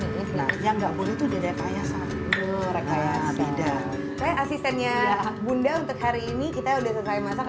idah asistennya bunda untuk hari ini kita udah saya masak